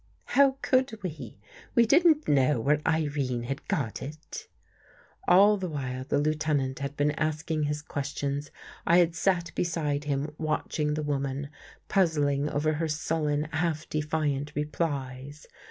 "'' How could we? We didn't know where Irene had got it." All the while the Lieutenant had been asking his questions, I had sat beside him watching the woman, puzzling over her sullen, half defiant replies.